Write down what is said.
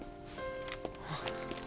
あっ。